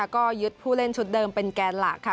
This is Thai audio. ก็ยึดผู้เล่นชุดเดิมเป็นแกนหลักค่ะ